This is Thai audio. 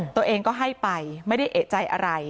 ตัวเองก็ให้ไปไม่ได้เอกใจอะไร